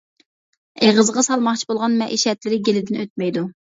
ئېغىزىغا سالماقچى بولغان مەئىشەتلىرى گېلىدىن ئۆتمەيدۇ.